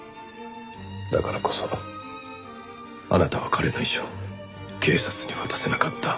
だからこそあなたは彼の遺書を警察に渡せなかった。